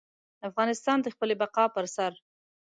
افغانستان د خپلې بقا پر سر.